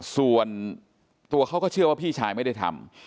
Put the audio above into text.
ส่วนตัวเขาก็เชื่อว่าพี่ชายไม่ได้ทำ